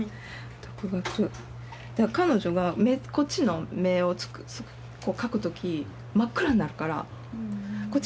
独学彼女がこっちの目をかく時真っ暗になるからうんうん